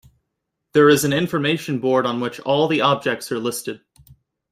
There is an information board on which all the objects are listed.